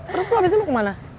terus lo abisnya mau kemana